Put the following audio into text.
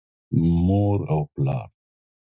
مور او پلار